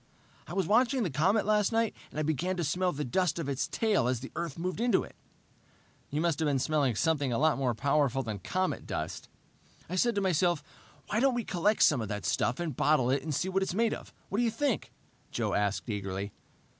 "I was watching the comet last night, and I began to smell the dust of its tail as the Earth moved into it...." "You must have been smelling something a lot more powerful than comet dust." "I said to myself why don't we collect some of that stuff and bottle it and see what it's made of? What do you think?" Joe asked eagerly.